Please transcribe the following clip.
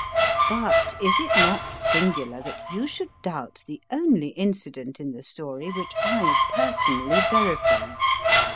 But is it not singular that you should doubt the only incident in the story which I personally verify